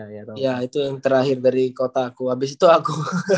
iya itu yang terakhir dari kota aku abis itu aku